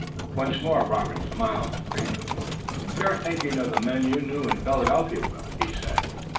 Once more Robert smiled serenely. "You're thinking of the men you knew in Philadelphia, Will," he said.